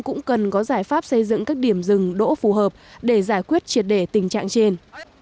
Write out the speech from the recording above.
cũng cần có giải pháp xây dựng các điểm rừng đỗ phù hợp để giải quyết triệt đề tình trạng trên